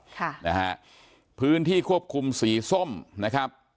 ค่ะนะฮะพื้นที่ควบคุมสีส้มนะครับ